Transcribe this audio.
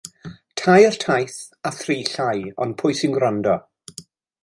Tair taith a thri llai, ond pwy sy'n gwrando?